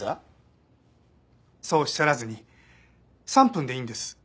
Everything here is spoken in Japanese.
そうおっしゃらずに３分でいいんです。